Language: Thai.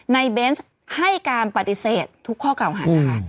เบนส์ให้การปฏิเสธทุกข้อเก่าหานะคะ